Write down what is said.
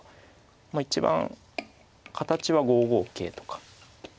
まあ一番形は５五桂とか。